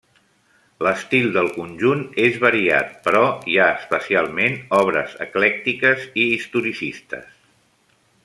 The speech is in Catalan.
L'estil del conjunt és variat però hi ha especialment obres eclèctiques i historicistes.